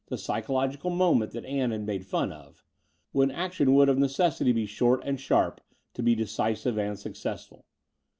psychological moment that Aim had made fun of — when action would of necessity be short and sharp to be decisive and successful.